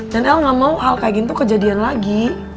el gak mau hal kayak gitu kejadian lagi